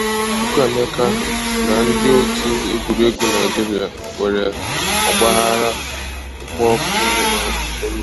Chukwuemeka na ndị otu egwuregwu Naịjirịa nwere ọgbaghara kpụ ọkụ n'ọnụ.